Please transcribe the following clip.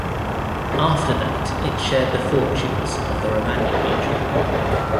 After that it shared the fortunes of the Romagna region.